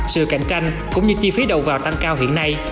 sự cạnh tranh cũng như chi phí đầu vào tăng cao hiện nay